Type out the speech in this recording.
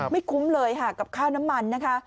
คุ้มเลยค่ะกับค่าน้ำมันนะคะ